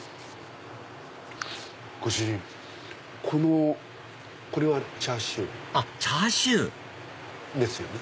ご主人これはチャーシュー。あっチャーシュー！ですよね？